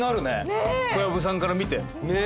小籔さんから見てねっ！